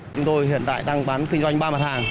chúng tôi hiện tại đang bán kinh doanh ba mặt hàng